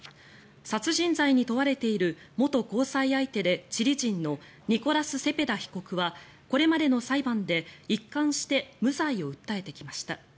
殺人罪に問われている元交際相手でチリ人のニコラス・セペダ被告はこれまでの裁判で一貫して無罪を訴えてきました。